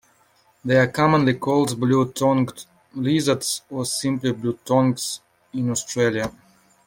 They are commonly called blue-tongued lizards or simply blue-tongues in Australia.